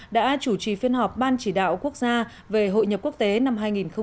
đã chủ trì phiên họp ban chỉ đạo quốc gia về hội nhập quốc tế năm hai nghìn một mươi chín